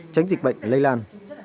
tránh dịch bệnh lây lan